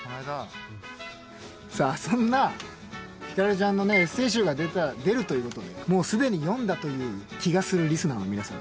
さあそんなヒカルちゃんのねエッセイ集が出るということでもう既に読んだという気がするリスナーの皆さん